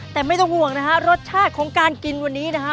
แต่ไม่ต้องห่วงนะฮะรสชาติของการกินวันนี้นะฮะ